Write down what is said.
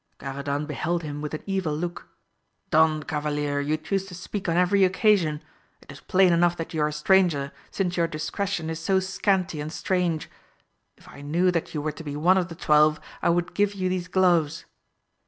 Garadan beheld him with an evil look — Don Cavalier, you chuse to speak on every occasion ! it is plain enough that you are a stranger, since your discretion is so scanty and strange j if I knew that you were to be one of the twelve I would give you these gloves